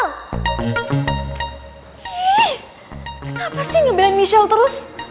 ih kenapa sih ngebelain michelle terus